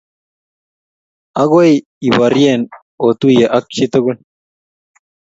akoi iborye otuiye ak chii tugul